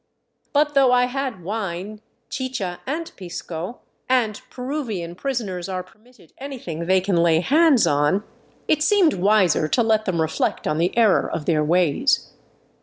But though I had wine, chicha, and pisco, and Peruvian prisoners are permitted anything they can lay hands on, it seemed wiser to let them reflect on the error of their ways.